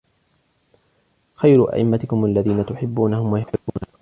خَيْرُ أَئِمَّتِكُمْ الَّذِينَ تُحِبُّونَهُمْ وَيُحِبُّونَكُمْ